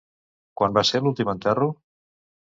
Quan va ser l'últim enterro?